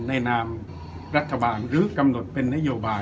นามรัฐบาลหรือกำหนดเป็นนโยบาย